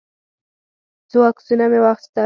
څو عکسونه مې واخیستل.